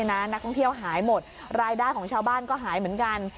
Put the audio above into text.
นักท่องเที่ยวหายหมดรายได้ของชาวบ้านก็หายเหมือนกัน